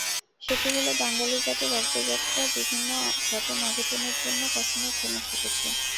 সেটি হলো বাঙালি জাতির অগ্রযাত্রা বিভিন্ন ঘটন-অঘটনের জন্য কখনো থেমে থেকেছে।